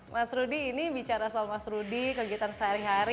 mas rudy ini bicara soal mas rudy kegiatan sehari hari